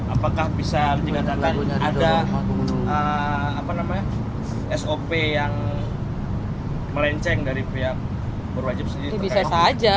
apakah bisa dikatakan ada sop yang melenceng dari pihak berwajib sendiri